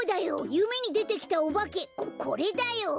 ゆめにでてきたおばけここれだよ！